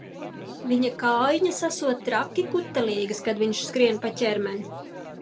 Viņa kājiņas esot traki kutelīgas, kad viņš skrien pa ķermeni.